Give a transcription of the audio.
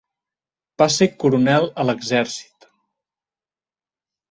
Va ser coronel a l'Exèrcit.